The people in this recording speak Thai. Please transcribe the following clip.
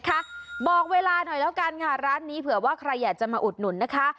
ค่ะบอกเวลาหน่อยแล้วกันค่ะร้านนี้เผื่อว่าใครอยากจะมาอุดหนุนนะคะ